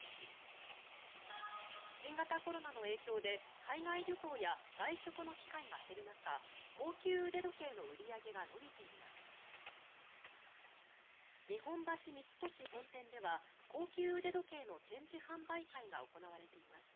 新型コロナの影響で海外旅行や外食の機会が減る中高級腕時計の売り上げが伸びています。